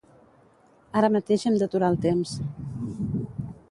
Ara mateix hem d’aturar el temps.